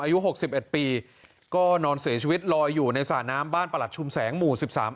หกสิบเอ็ดปีก็นอนเสียชีวิตลอยอยู่ในสระน้ำบ้านประหลัดชุมแสงหมู่สิบสาม